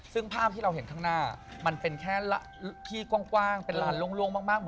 ซึ่งภาพที่เราเห็นข้างหน้ามันเป็นแค่ที่กว้างเป็นลานโล่งมาก